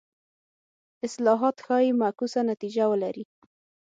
اصلاحات ښايي معکوسه نتیجه ولري.